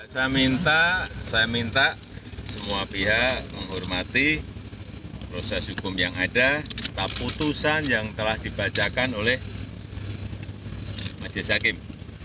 saya minta semua pihak menghormati proses hukum yang ada putusan yang telah dibacakan oleh masyarakat hakim